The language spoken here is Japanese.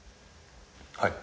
はい。